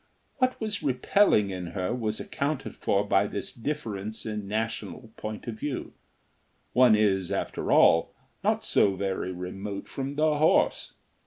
What was repelling in her was accounted for by this difference in national point of view. One is, after all, not so very remote from the horse.